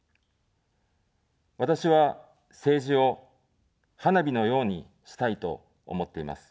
私は、政治を花火のようにしたいと思っています。